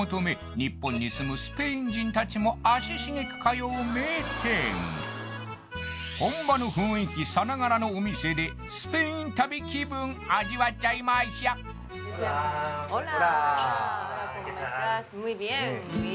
日本に住むスペイン人達も足しげく通う名店本場の雰囲気さながらのお店でスペイン旅気分味わっちゃいましょＨｏｌａ！